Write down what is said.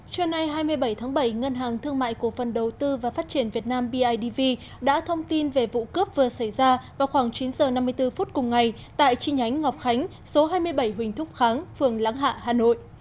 trưa nay hai mươi bảy tháng bảy ngân hàng thương mại cổ phần đầu tư và phát triển việt nam bidv đã thông tin về vụ cướp vừa xảy ra vào khoảng chín h năm mươi bốn phút cùng ngày tại chi nhánh ngọc khánh số hai mươi bảy huỳnh thúc kháng phường lắng hạ hà nội